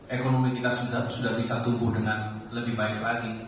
ekonomi kita sudah bisa tumbuh dengan lebih baik lagi